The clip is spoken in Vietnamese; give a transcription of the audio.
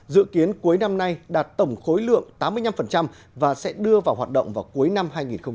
dự kiến cuối năm nay đạt tổng khối lượng tám mươi năm và sẽ đưa vào hoạt động vào cuối năm hai nghìn hai mươi